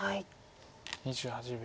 ２８秒。